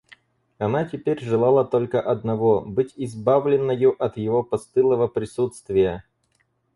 Она теперь желала только одного — быть избавленною от его постылого присутствия.